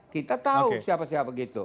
kita tahu siapa siapa begitu